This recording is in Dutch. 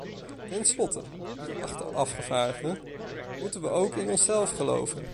Ten slotte, geachte afgevaardigden, moeten we ook in onszelf geloven.